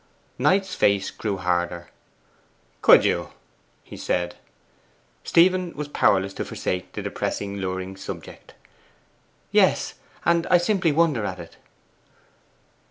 Knight's face grew harder. 'Could you?' he said. Stephen was powerless to forsake the depressing, luring subject. 'Yes; and I simply wonder at it.